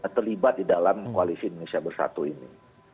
terlibat di dalam koalisi indonesia bersatu ini